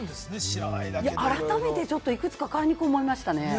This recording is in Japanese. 改めてちょっといくつか買いにこう思いましたね。